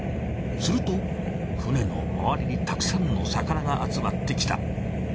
すると船の周りにたくさんの魚が集まってきた。